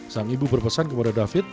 sang ibu berpesan kepada david